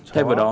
theo vở đó